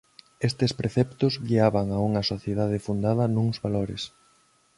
Estes preceptos guiaban a unha sociedade fundada nuns valores.